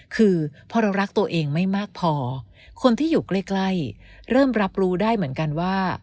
คือพอเรารักตัวเองไม่มากพอคนที่อยู่ใกล้เริ่มรับรู้ได้เหมือนกันว่า